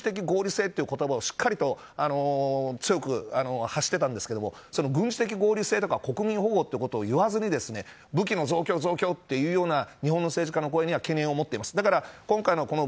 小野寺さんと議論したときに軍事的合理性という言葉をしっかりと強く発していたんですけど軍事的合理性とか国民保護ということを言わずに武器の増強というような日本の政治家の声には懸念を持っています。